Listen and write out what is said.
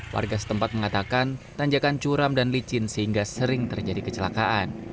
warga setempat mengatakan tanjakan curam dan licin sehingga sering terjadi kecelakaan